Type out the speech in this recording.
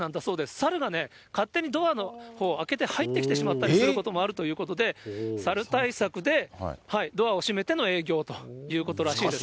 サルが勝手にドアを開けて入ってきてしまったりすることもあるということで、サル対策でドアを閉めての営業ということらしいです